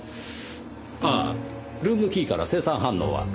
あルームキーから青酸反応は？